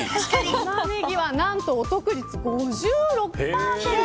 タマネギは何とお得率５６％。